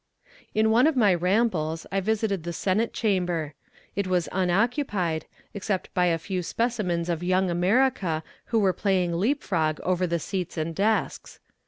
In one of my rambles I visited the Senate chamber. It was unoccupied, except by a few specimens of young America, who were playing leapfrog over the seats and desks.